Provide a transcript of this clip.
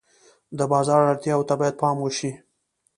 د بازار اړتیاوو ته باید پام وشي.